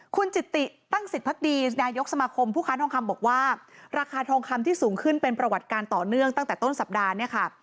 คุณจิตติตั้งสิทธิพักดีนายกสมาคมผู้ค้าทองคำบอกว่าราคาทองคำที่สูงขึ้นเป็นประวัติการต่อเนื่องตั้งแต่ต้นสัปดาห์เนี่ยค่ะ